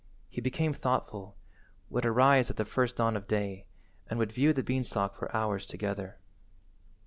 He became thoughtful, would arise at the first dawn of day, and would view the beanstalk for hours together.